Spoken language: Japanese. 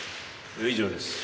以上です。